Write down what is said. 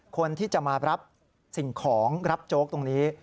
คนที่จะมารับสิ่งของรับโจ๊กตรงนี้